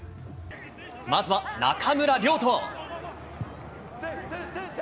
まずは中村亮土。